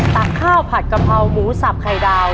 ตักข้าวผัดกะเพราหมูสับไข่ดาว